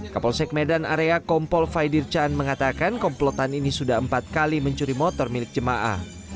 kapolsek medan area kompol faidir can mengatakan komplotan ini sudah empat kali mencuri motor milik jemaah